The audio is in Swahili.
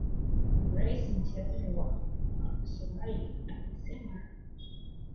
Rais mteule wa Somalia amesema kwamba Marekani itakuwa tena nchini Somalia kusaidia katika mapambano dhidi ya kundi la kigaidi.